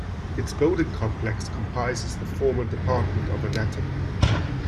Its building complex comprises the former Department of Anatomy.